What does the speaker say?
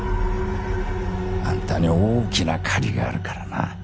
あんたに大きな借りがあるからな。